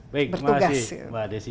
baik terima kasih mbak desi